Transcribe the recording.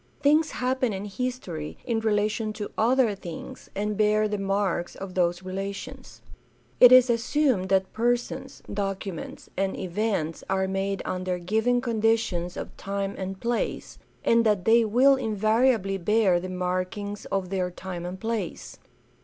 Things happen in history in rela tion to other things and bear the marks of those relations. It is assumed that persons, documents, and events are made under given conditions of time and place, and that they will invariably bear the markings of their time and place.